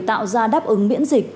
tạo ra đáp ứng miễn dịch